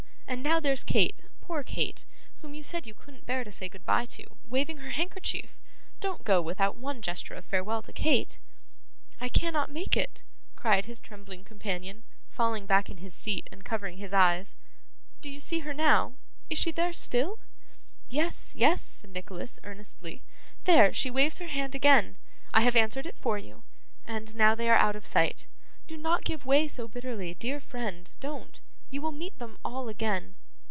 And now there's Kate, poor Kate, whom you said you couldn't bear to say goodbye to, waving her handkerchief. Don't go without one gesture of farewell to Kate!' 'I cannot make it!' cried his trembling companion, falling back in his seat and covering his eyes. 'Do you see her now? Is she there still?' 'Yes, yes!' said Nicholas earnestly. 'There! She waves her hand again! I have answered it for you and now they are out of sight. Do not give way so bitterly, dear friend, don't. You will meet them all again.